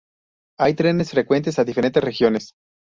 Hay trenes frecuentes a diferentes regiones.